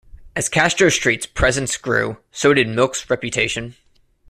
As Castro Street's presence grew, so did Milk's reputation.